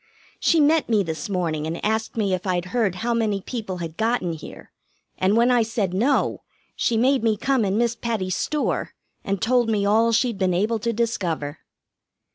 She met me this morning, and asked me if I'd heard how many people had gotten here, and when I said no, she made me come in Miss Patty's store, and told me all she'd been able to discover.